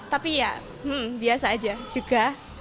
tapi ya biasa aja juga